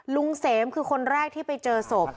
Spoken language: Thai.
เสมคือคนแรกที่ไปเจอศพ